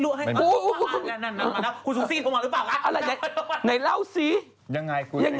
เลิกไปไหนยัง